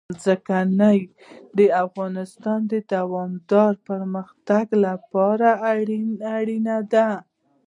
ځنګلونه د افغانستان د دوامداره پرمختګ لپاره اړین دي.